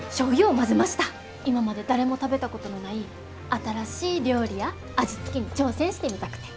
今まで誰も食べたことのない新しい料理や味付けに挑戦してみたくて。